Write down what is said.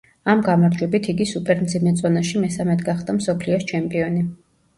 ამ გამარჯვებით იგი სუპერ მძიმე წონაში მესამედ გახდა მსოფლიოს ჩემპიონი.